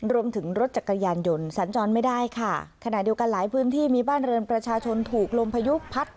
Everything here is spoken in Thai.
รวมถึงรถจักรยานยนต์สัญจรไม่ได้ค่ะขณะเดียวกันหลายพื้นที่มีบ้านเรือนประชาชนถูกลมพายุพัด